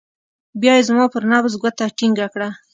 بيا يې زما پر نبض گوته ټينګه کړه.